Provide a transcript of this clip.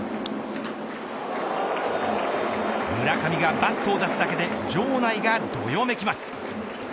村上がバットを出すだけで場内がどよめきます。